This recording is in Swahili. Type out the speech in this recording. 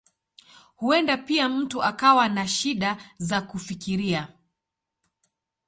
Huenda pia mtu akawa na shida za kufikiria.